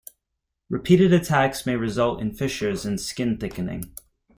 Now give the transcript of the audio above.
Repeated attacks may result in fissures and skin thickening.